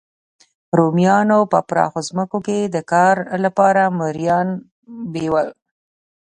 رومیانو په پراخو ځمکو کې د کار لپاره مریان بیول